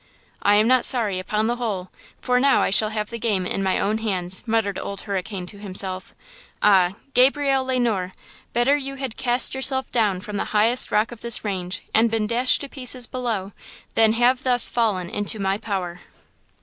"I am not sorry, upon the whole, for now I shall have the game in my own hands!" muttered Old Hurricane to himself, "Ah! Gabrielle Le Noir, better you had cast yourself down from the highest rock of this range and been dashed to pieces below, than have thus fallen into my power!"